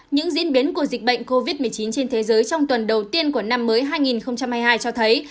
những diễn biến của dịch bệnh covid một mươi chín trên thế giới trong tuần đầu tiên của năm mới hai nghìn hai mươi hai cho thấy